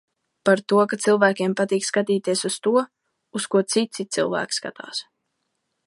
Par to, ka cilvēkiem patīk skatīties uz to, uz ko citi cilvēki skatās.